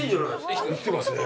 生きてますね。